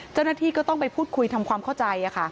เจ้าหน้าที่ก็ต้องไปพูดคุยทำความเข้าใจ